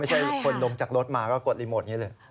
ไม่ใช่คนลงจากรถมาก็กดรีโมท